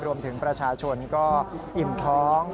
รวมถึงประชาชนก็อิ่มท้อง